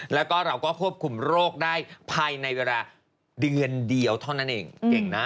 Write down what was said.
แล้วก็เราก็ควบคุมโรคได้ภายในเวลาเดือนเดียวเท่านั้นเองเก่งนะ